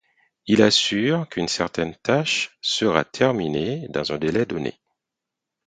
Il assure qu'une certaine tâche sera terminée dans un délai donné.